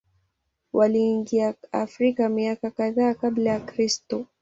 Waliingia Afrika miaka kadhaa Kabla ya Kristo.